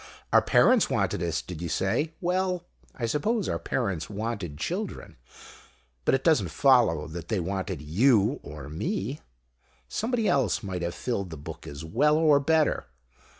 Our parents wanted us, did you say? Well, I suppose our parents wanted children; but it doesn't follow that they wanted you or me. Somebody else might have filled the book as well, or better.